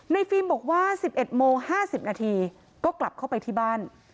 ฟิล์มบอกว่า๑๑โมง๕๐นาทีก็กลับเข้าไปที่บ้าน